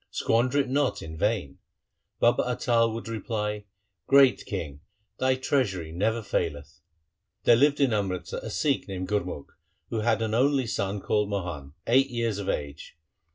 Squander it not in vain.' Baba Atal would reply, ' Great king, thy treasury never faileth.' There lived in Amritsar a Sikh named Gurumukh who had an only son called Mohan, eight years of age.